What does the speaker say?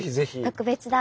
特別だ！